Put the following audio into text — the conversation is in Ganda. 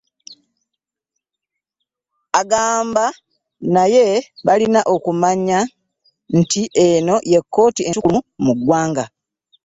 Agamba naye balina okumanya nti eno ye kkooti ensukkulumu mu ggwanga